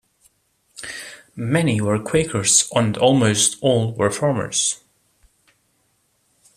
Many were Quakers, and almost all were farmers.